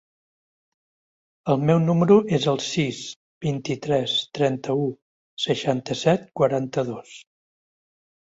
El meu número es el sis, vint-i-tres, trenta-u, seixanta-set, quaranta-dos.